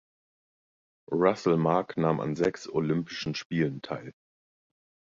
Russell Mark nahm an sechs Olympischen Spielen teil.